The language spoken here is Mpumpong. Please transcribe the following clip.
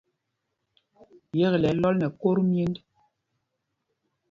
Yekle ɛ́ ɛ́ lɔl nɛ kot myenj.